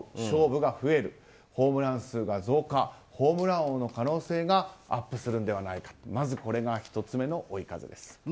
勝負が増えるホームラン数が増加ホームラン王の可能性がアップするのではないかというのが１つ目の追い風です。